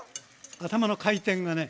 頭の回転がね